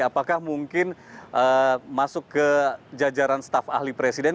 apakah mungkin masuk ke jajaran staf ahli presiden